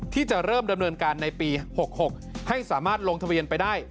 ที่จะเริ่มดำเนินการในปี๖๖ให้สามารถลงทะเบียนไปได้